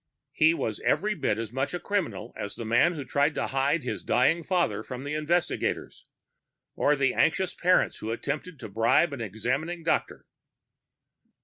He was every bit as much a criminal as the man who tried to hide his dying father from the investigators, or the anxious parents who attempted to bribe an examining doctor.